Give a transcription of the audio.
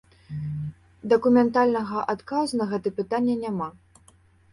Дакументальнага адказу на гэтае пытанне няма.